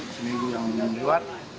seminggu yang membuat